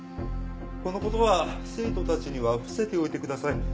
このことは生徒たちには伏せておいてください。